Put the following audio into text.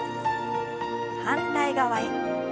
反対側へ。